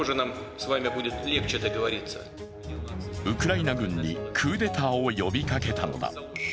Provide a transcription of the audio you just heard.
ウクライナ軍にクーデターを呼びかけたのだ。